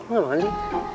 kamu ga makan sih